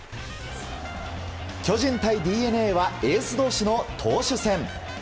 巨人対ＤｅＮＡはエース同士の投手戦。